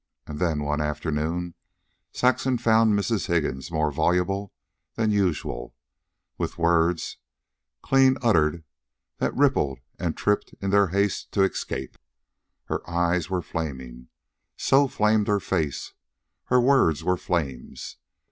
And then, one afternoon, Saxon found Mrs. Higgins more voluble than usual, with words, clean uttered, that rippled and tripped in their haste to escape. Her eyes were flaming. So flamed her face. Her words were flames.